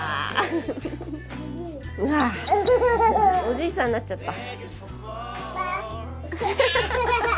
おじいさんになっちゃった！